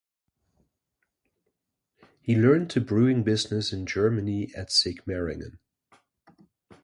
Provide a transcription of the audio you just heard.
He learned the brewing business in Germany at Sigmaringen.